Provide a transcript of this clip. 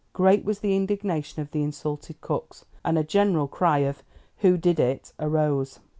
Great was the indignation of the insulted cooks, and a general cry of "Who did it?" arose.